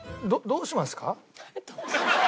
どうしますか？